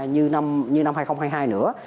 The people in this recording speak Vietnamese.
như năm hai nghìn hai mươi hai nữa